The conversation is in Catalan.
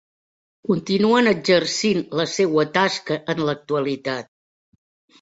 Continuen exercint la seua tasca en l'actualitat.